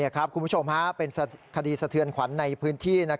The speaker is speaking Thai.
คุณผู้ชมเป็นคดีสะเทือนขวัญในพื้นที่